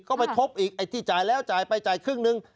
ก็ไปทบอีกไอ้ที่จ่ายแล้วจ่ายไปจ่ายครึ่งนึง